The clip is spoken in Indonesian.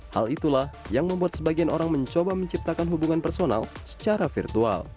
hal itulah yang membuat sebagian orang mencoba menciptakan hubungan personal secara virtual